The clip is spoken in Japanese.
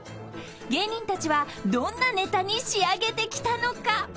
［芸人たちはどんなネタに仕上げてきたのか？］